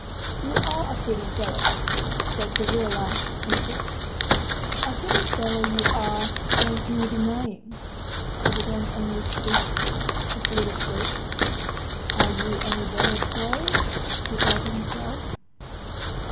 "You're a pretty fellow," said Gavrila, and paused. "A pretty fellow you are, there's no denying!" Kapiton only twitched his little shoulders. "Are you any better, pray?" he thought to himself.